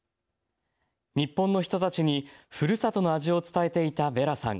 日本の人たちにふるさとの味を伝えていたヴェラさん。